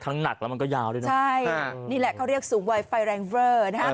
หนักแล้วมันก็ยาวด้วยนะใช่นี่แหละเขาเรียกสูงวัยไฟแรงเวอร์นะครับ